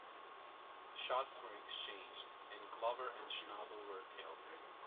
Shots were exchanged, and Glover and Schnabel were killed.